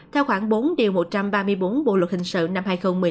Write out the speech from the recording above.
theo khoảng bốn một trăm ba mươi bốn bộ luật hình sự năm hai nghìn một mươi năm